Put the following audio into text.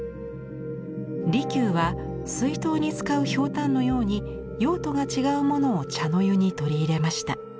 利休は水筒に使うヒョウタンのように用途が違うものを茶の湯に取り入れました。